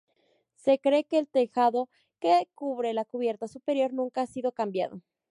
Se cree que el tejado que cubre la cubierta superior nunca ha sido cambiado.